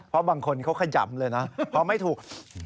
เพราะบางคนเขาขย่ำเลยนะเพราะไม่ถูก